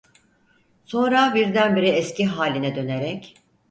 Sonra birdenbire eski haline dönerek: